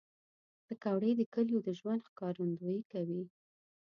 پکورې د کلیو د ژوند ښکارندویي کوي